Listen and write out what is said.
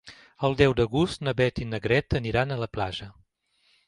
El deu d'agost na Beth i na Greta aniran a la platja.